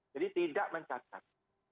jadi tidak mencatat